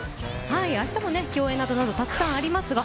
明日も競泳などなど、たくさんありますが。